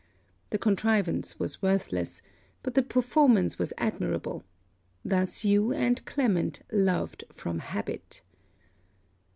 The contrivance was worthless; but the performance was admirable. Thus you and Clement loved from habit.